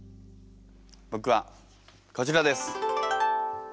僕はこちらです。